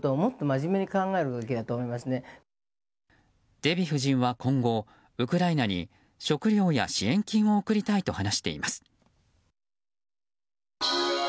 デヴィ夫人は今後ウクライナに食料や支援金を送りたいと話しています。